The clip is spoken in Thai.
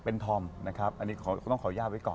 เป็นธอมนะครับอันนี้ต้องขออนุญาตไว้ก่อน